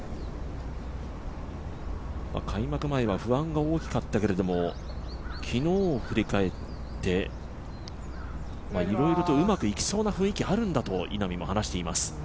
開幕前は不安が大きかったけれども、昨日を振り返っていろいろとうまきいきそうな雰囲気があるんだと稲見も話しています。